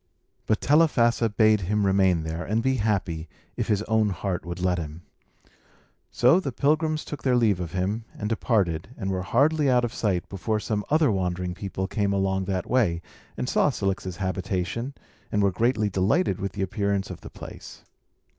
But Telephassa bade him remain there, and be happy, if his own heart would let him. So the pilgrims took their leave of him, and departed, and were hardly out of sight before some other wandering people came along that way, and saw Cilix's habitation, and were greatly delighted with the appearance of the place.